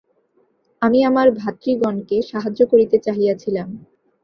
আমি আমার ভ্রাতৃগণকে সাহায্য করিতে চাহিয়াছিলাম।